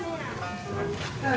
はい。